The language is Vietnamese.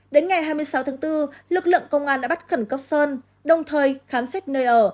đến ngày hai mươi sáu tháng bốn lực lượng công an đã bắt khẩn cấp sơn đồng thời khám xét nơi ở